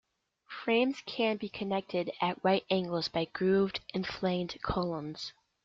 Frames can be connected at right angles by grooved and flanged columns.